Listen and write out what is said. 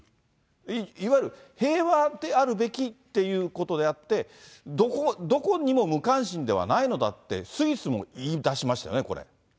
いわゆる平和であるべきということであって、どこにも無関心ではないのだって、スイスも言いだしましたよね、これ。